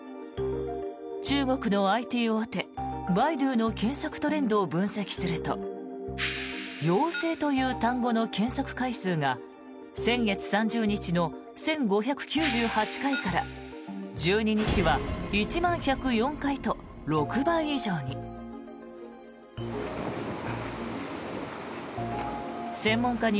中国のＩＴ大手、バイドゥの検索トレンドを分析すると陽性という単語の検索回数が先月３０日の１５９８回から１２日は１万１０４回と６倍以上に。